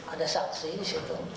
ada saksi di situ